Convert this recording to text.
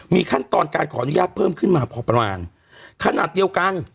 มีขั้นตอนการขออนุญาตเพิ่มขึ้นมาพอประมาณขนาดเดียวกัน